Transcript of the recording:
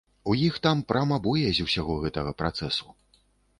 У іх там прама боязь усяго гэтага працэсу.